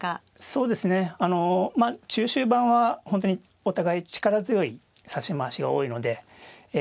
そうですねあの中終盤は本当にお互い力強い指し回しが多いのでえ